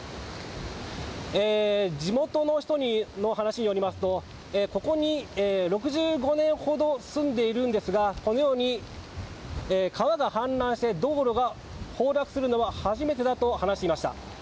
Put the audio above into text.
地元の人の話によりますとここに６５年ほど住んでいるんですがこのように川が氾濫して道路が崩落するのは初めてだと話していました。